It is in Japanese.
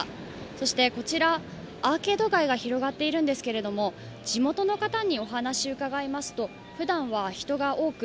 そしてこちら、アーケード街が広がっているんですけど地元の方にお話を伺いますと、ふだんは人通りが多く